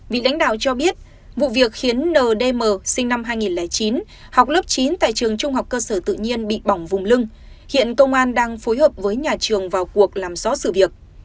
vị lãnh đạo cho biết vụ việc khiến ndm sinh năm hai nghìn chín học lớp chín tại trường trung học cơ sở tự nhiên bị bỏng vùng lưng hiện công an đang phối hợp với nhà trường vào cuộc làm rõ sự việc